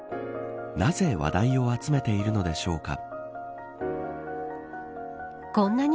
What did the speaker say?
なぜ話題を集めているのでしょうか。